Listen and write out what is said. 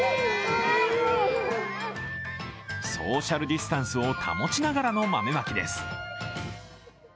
ソーシャルディスタンスを保ちながらの豆まきです。